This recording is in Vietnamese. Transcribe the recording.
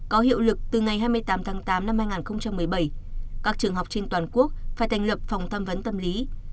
có hiệu lực từ ngày hai mươi tám tháng tám năm hai nghìn một mươi bảy các trường học trên toàn quốc phải thành lập phòng tham vấn tâm lý